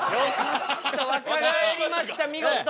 若返りました見事。